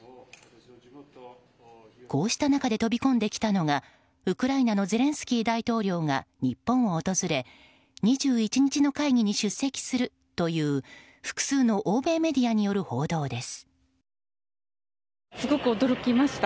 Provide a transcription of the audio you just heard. こうした中で飛び込んできたのがウクライナのゼレンスキー大統領が日本を訪れ、２１日の会議に出席するという、複数の欧米メディアによる報道です。